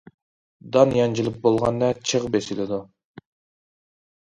دان يانجىلىپ بولغاندا چىغ بېسىلىدۇ.